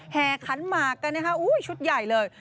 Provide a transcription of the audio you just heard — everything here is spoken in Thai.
แห่ขันหมากกันนะคะชุดใหญ่เลย